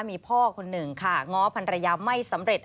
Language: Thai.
มีพ่อคนหนึ่งค่ะง้อพันรยาไม่สำเร็จ